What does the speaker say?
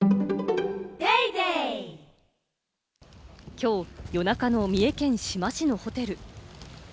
きょう、夜中の三重県志摩市のホテル。